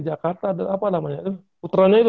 jakarta apa namanya puterannya itu